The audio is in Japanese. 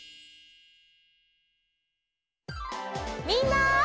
みんな！